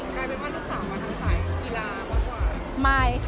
กลายเป็นว่าลูกสาวมาทางสายกีฬามากกว่า